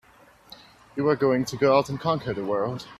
You were going to go out and conquer the world!